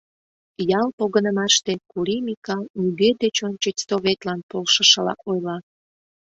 Ял погынымаште Кури Микал нигӧ деч ончыч Советлан полшышыла ойла.